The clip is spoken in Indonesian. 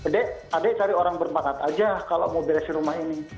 dek adek cari orang berbangat saja kalau mau beresin rumah ini